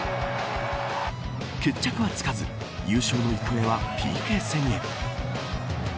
決着はつかず優勝の行方はＰＫ戦に。